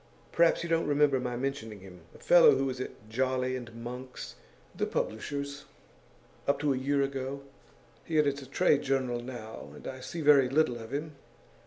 Perhaps you don't remember my mentioning him; a fellow who was at Jolly and Monk's, the publishers, up to a year ago. He edits a trade journal now, and I see very little of him.